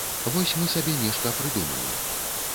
Вось мы сабе нешта прыдумалі.